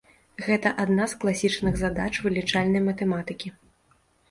Гэта адна з класічных задач вылічальнай матэматыкі.